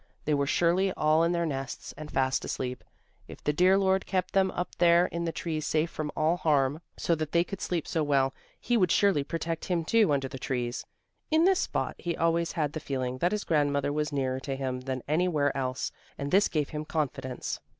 They were surely all in their nests and fast asleep. If the dear Lord kept them up there in the trees safe from all harm, so that they could sleep so well, He would surely protect him too under the trees. In this spot he always had the feeling that his grandmother was nearer to him than anywhere else, and this gave him confidence.